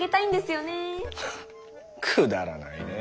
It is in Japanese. ふんくだらないね。